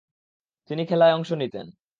তিনি খেলায় অংশ নিতেন।